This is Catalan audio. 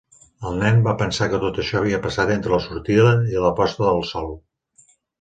El nen va pensar que tot això havia passat entre la sortida i la posta del sol.